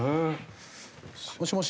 もしもし？